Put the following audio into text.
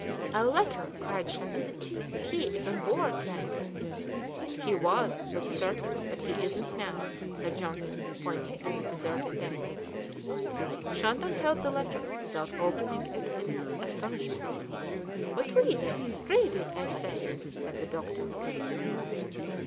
"A letter!" cried Shandon. "He is on board, then?" "He was, that's certain, but he isn't now," said Johnson, pointing to the deserted deck. Shandon held the letter without opening it in his astonishment. "But read it, read it, I say," said the doctor.